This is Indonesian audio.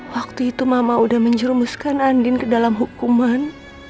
waktu itu mama udah menjerumuskan andin ke dalam hukuman